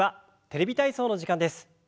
「テレビ体操」の時間です。